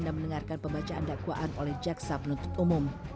dan mendengarkan pembacaan dakwaan oleh jaksa penuntut umum